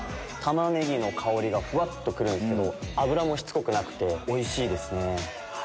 タマネギの香りがふわっと来るんですけど脂もしつこくなくておいしいですね。